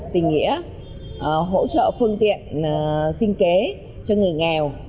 tình nghĩa hỗ trợ phương tiện sinh kế cho người nghèo